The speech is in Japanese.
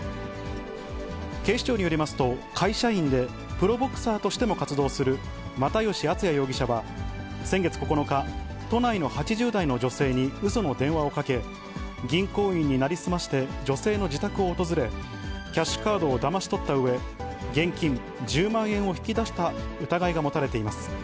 警視庁によりますと、会社員でプロボクサーとしても活動する又吉淳哉容疑者は、先月９日、都内の８０代の女性にうその電話をかけ、銀行員に成り済まして、女性の自宅を訪れ、キャッシュカードをだまし取ったうえ、現金１０万円を引き出した疑いが持たれています。